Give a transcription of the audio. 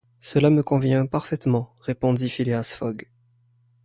Cela me convient parfaitement, répondit Phileas Fogg.